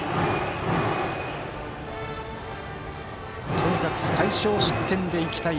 とにかく最少失点でいきたい。